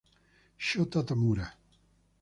Shota Tamura